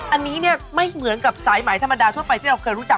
อันนี้เนี่ยไม่เหมือนกับสายไหมธรรมดาทั่วไปที่เราเคยรู้จัก